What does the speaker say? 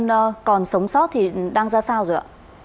các nạn nhân còn sống sót thì đang ra sao rồi ạ